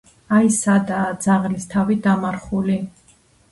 აი, სადაა ძაღლის თავი დამარხული